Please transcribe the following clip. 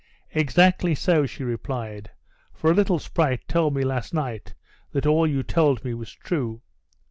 'Exactly so,' she replied; 'for a little sprite told me last night that all you told me was true.'